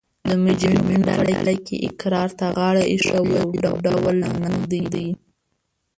د مجرمینو په ډله کې اقرار ته غاړه ایښول یو ډول ننګ دی